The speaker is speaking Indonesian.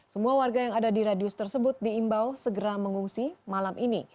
semua warga yang ada di radius tersebut diimbau segera mengungsi malam ini